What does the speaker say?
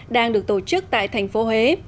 đang được tổ chức tại thành phố huế